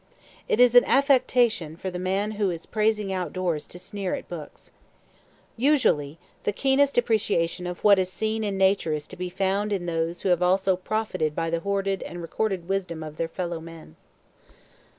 It is an affectation for the man who is praising outdoors to sneer at books. Usually the keenest appreciation of what is seen in nature is to be found in those who have also profited by the hoarded and recorded wisdom of their fellow men.